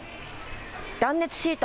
断熱シート。